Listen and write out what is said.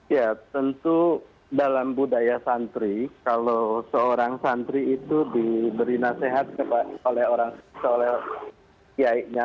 ya tentu dalam budaya santri kalau seorang santri itu diberi nasihat oleh orang seolah olah iaiknya